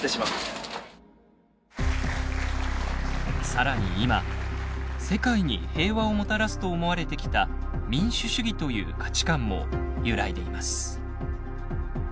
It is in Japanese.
更に今世界に平和をもたらすと思われてきた民主主義という価値観も揺らいでいます。